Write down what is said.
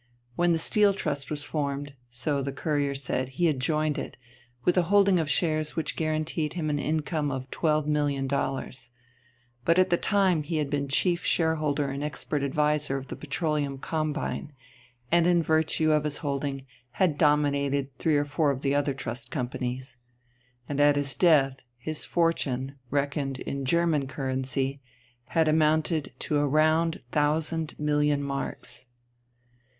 When the Steel Trust was formed, so the Courier said, he had joined it, with a holding of shares which guaranteed him an income of $12,000,000. But at the same time he had been chief shareholder and expert adviser of the Petroleum Combine, and in virtue of his holding had dominated three or four of the other Trust Companies. And at his death his fortune, reckoned in German currency, had amounted to a round thousand million marks.